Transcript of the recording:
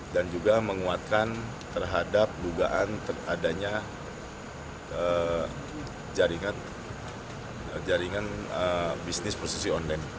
dan juga menguatkan terhadap dugaan teradanya jaringan bisnis prostitusi online